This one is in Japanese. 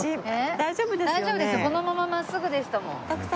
大丈夫ですよこのまま真っすぐでしたもん。